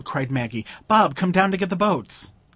cried Maggie. "Bob, come down to get the boats!"